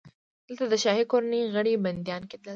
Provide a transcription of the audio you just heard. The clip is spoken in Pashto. دلته د شاهي کورنۍ غړي بندیان کېدل.